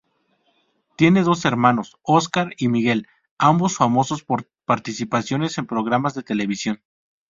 Tiene dos hermanos, Óscar y Miguel, ambos famosos por participaciones en programas de televisión.